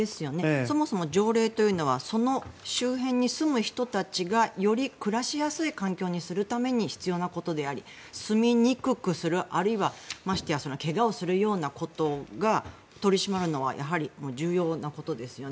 そもそも条例というのはその周辺に住む人たちがより暮らしやすい環境にするために必要なことであり住みにくくするあるいはましてや怪我をするようなことを取り締まるのはやはり重要なことですよね。